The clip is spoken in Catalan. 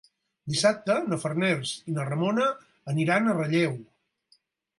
Dissabte na Farners i na Ramona aniran a Relleu.